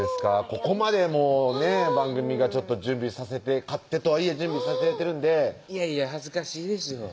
ここまで番組が準備させて勝手とはいえ準備させて頂いてるんでいやいや恥ずかしいですよ